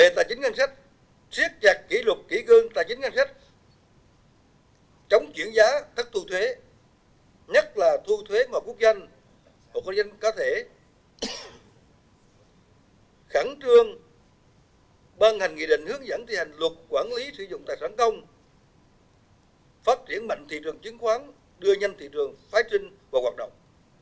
thị trường chứng khoán đưa nhanh thị trường phái trinh và hoạt động